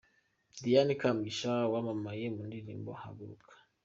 Diana Kamugisha wamamaye mu ndirimbo 'Haguruka'.